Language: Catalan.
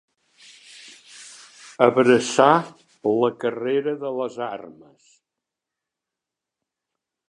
Abraçar la carrera de les armes.